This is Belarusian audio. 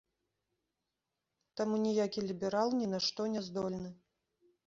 Таму ніякі ліберал ні на што не здольны.